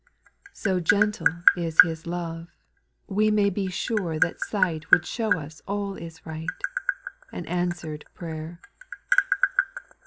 So gentle is His love. We may be sure that sight Would show us all is right, And answered prayer.